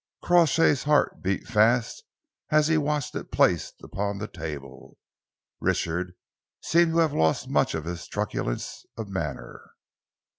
Crawshay's heart beat fast as he watched it placed upon the table. Richard seemed to have lost much of his truculence of manner.